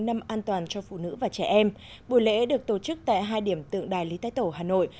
năm an toàn cho phụ nữ và trẻ em buổi lễ được tổ chức tại hai điểm tượng đài lý thái tổ hà nội